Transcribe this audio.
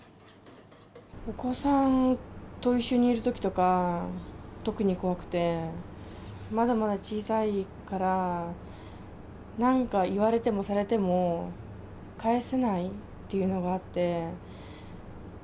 お子さんと一緒にいるときとか、特に怖くて、まだまだ小さいから、なんか言われても、されても返せないっていうのがあって。